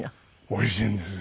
おいしいんですよ。